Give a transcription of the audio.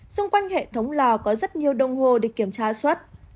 xung quanh hệ thống lò có rất nhiều đồng hồ để kiểm tra xuất